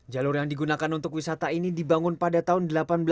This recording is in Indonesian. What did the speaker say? jalur yang digunakan untuk wisata ini dibangun pada tahun seribu delapan ratus enam puluh